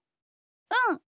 うん。